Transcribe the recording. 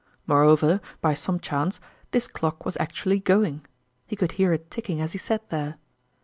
Moreover, by some chance, this clock was actually going he could hear it ticking as he sat there.